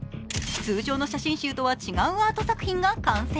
通常の写真集とは違うアート作品が完成。